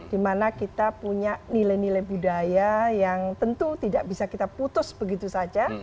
dimana kita punya nilai nilai budaya yang tentu tidak bisa kita putus begitu saja